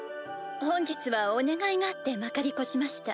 本日はお願いがあってまかり越しました。